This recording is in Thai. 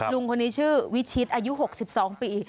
ลุงคนนี้ชื่อวิชิตอายุ๖๒ปี